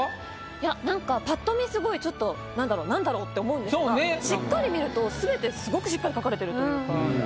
いや何かぱっと見すごい何だろう？って思うんですがしっかり見ると全てすごくしっかり描かれてるというか。